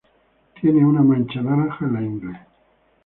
Tiene una mancha naranja en la ingle.